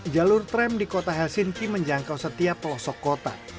jalur tram di kota helsinki menjangkau setiap pelosok kota